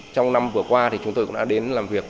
trong năm vừa qua thì chúng tôi cũng đã đến làm việc